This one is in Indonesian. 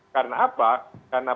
karena apa karena